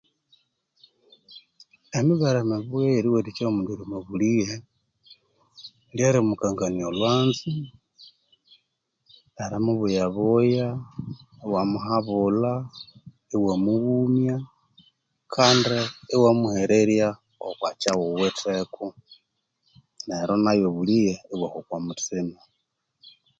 Emibere mibuya eyeriwatikya omundu erimwiha omwabulighe lyerimukangania olwanzo, iwamubuyabuya iwamuhabulha, iwamughumya kandi iwamuhererya okwakyawuwitheko neryo obulighe ibwahwa okwamuthima.